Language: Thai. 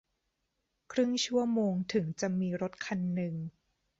ครึ่งชั่วโมงถึงจะมีรถคันนึง